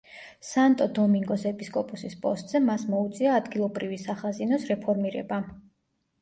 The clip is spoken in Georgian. სანტო-დომინგოს ეპისკოპოსის პოსტზე მას მოუწია ადგილობრივი სახაზინოს რეფორმირება.